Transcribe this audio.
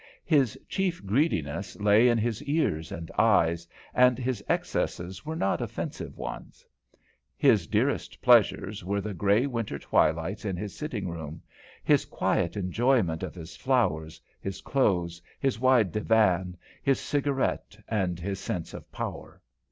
His chief greediness lay in his ears and eyes, and his excesses were not offensive ones. His dearest pleasures were the grey winter twilights in his sitting room; his quiet enjoyment of his flowers, his clothes, his wide divan, his cigarette and his sense of power.